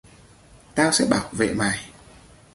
tao sẽ bảo vệ mày